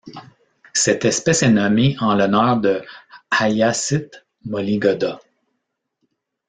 Cette espèce est nommée en l'honneur de Hayasith Molligoda.